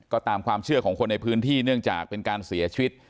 ก็ตามความเชื่อของคนในพื้นที่เนื่องจากเป็นการเสียชีวิต